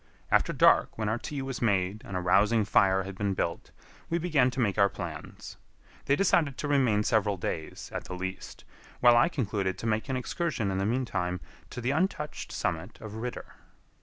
After dark, when our tea was made and a rousing fire had been built, we began to make our plans. They decided to remain several days, at the least, while I concluded to make an excursion in the mean time to the untouched summit of Ritter.